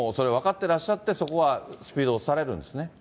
てらっしゃって、そこはスピードを落とされるんですね。